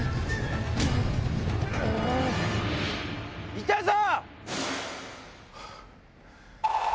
いたぞ！